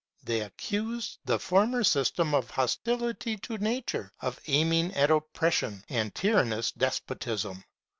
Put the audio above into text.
They accused the former system of hostility to Nature, of aim ing at oppression and tyrannous despotism.